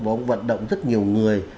và ông ấy vận động rất nhiều người